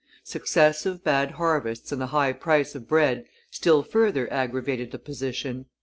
Successive bad harvests and the high price of bread still further aggravated the position.